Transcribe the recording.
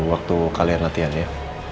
waktu kalian latihan ya